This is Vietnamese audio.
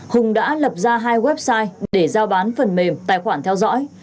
hùng đã lập ra hai website để giao bán phần mềm tài khoản theo dõi